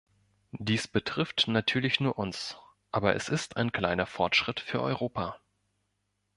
Dies betrifft natürlich nur uns, aber es ist ein kleiner Fortschritt für Europa.